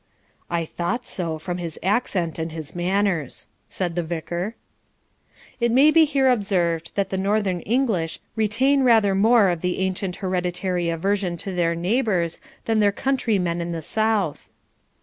'I thought so, from his accent and his manners,' said the Vicar. It may be here observed that the northern English retain rather more of the ancient hereditary aversion to their neighbours than their countrymen of the south.